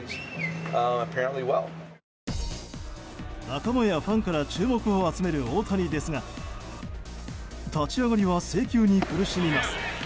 仲間やファンから注目を集める大谷ですが立ち上がりは制球に苦しみます。